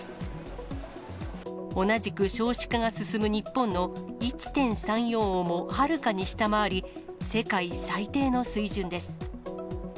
同じく少子化が進む日本の１．３４をもはるかに下回り、世界最低の水準です。